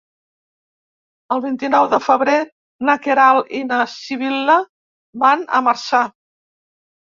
El vint-i-nou de febrer na Queralt i na Sibil·la van a Marçà.